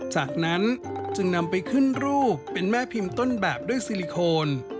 จากนั้นจึงนำไปขึ้นรูปเป็นแม่พิมพ์ต้นแบบด้วยซิลิโคน